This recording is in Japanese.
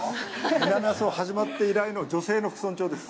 南阿蘇始まって以来の女性の福村長です。